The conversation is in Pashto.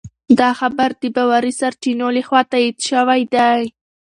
دا خبر د باوري سرچینو لخوا تایید شوی دی.